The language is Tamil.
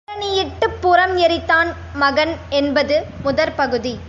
தேரணி யிட்டுப் புரம் எரித்தான் மகன் என்பது முதற் பகுதி.